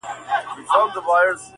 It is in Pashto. لوڅ لپړ توره تر ملا شمله یې جګه-